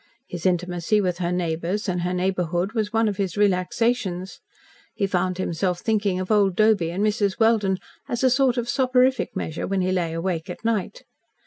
His intimacy with her neighbours, and her neighbourhood, was one of his relaxations. He found himself thinking of old Doby and Mrs. Welden, as a sort of soporific measure, when he lay awake at night.